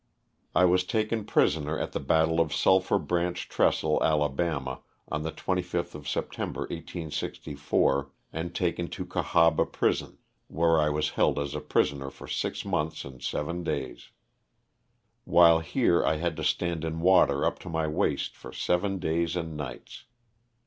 I was taken prisoner at the battle of Sulphur 47 370 LOSS OF THE SULTANA. Branch Trestle, Ala., on the 25th of September, 1864, and taken to Oahaba prison, where I was held as a prisoner for six months and seven days. While here I had to stand in water up to my waist for seven days and nights.